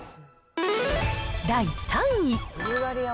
第３位。